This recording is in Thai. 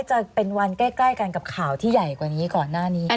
จะเป็นวันใกล้กันกับข่าวที่ใหญ่กว่านี้ก่อนหน้านี้